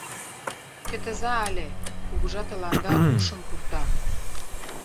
Чытыза але, кугыжа тыланда ушым пурта.